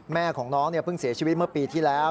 แม่ของน้องเพิ่งเสียชีวิตเมื่อปีที่แล้ว